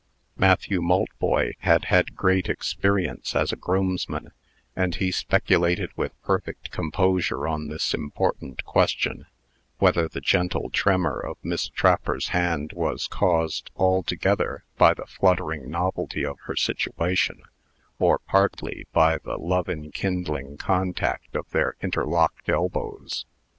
Matthew Maltboy had had great experience as a groomsman, and he speculated with perfect composure on this important question: Whether the gentle tremor of Miss Trapper's hand was caused altogether by the fluttering novelty of her situation, or partly by the love enkindling contact of their interlocked elbows?